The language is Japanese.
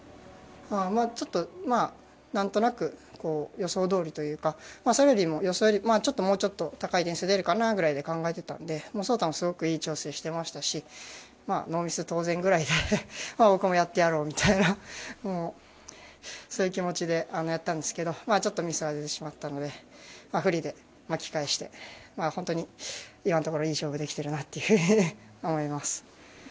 ちょっとなんとなく予想どおりというかそれよりも予想よりももうちょっと高い点数が出るかなぐらいで考えていたので草太もすごくいい調整をしていましたしノーミス、当然くらいで僕もやってやろうみたいなそういう気持ちでやったんですがちょっとミスが出てしまったのでフリーで巻き返して本当に今のところいい勝負できてるなと思います。